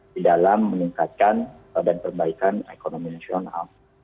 di dalam meningkatkan dan perbaikan ekonomi nasional